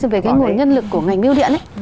về cái nguồn nhân lực của ngành biêu điện ấy